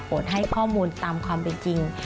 ให้ข้อมูลตามความเป็นจริง